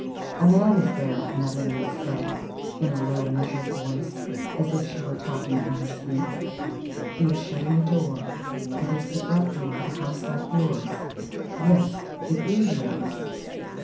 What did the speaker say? "A man is there," Madalena said in a low, measured voice, as if she were talking in her sleep. "He is shutting a door. It is the front door of a house like yours. Yes, it is yours.